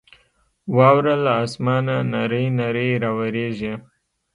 واوره له اسمانه نرۍ نرۍ راورېږي.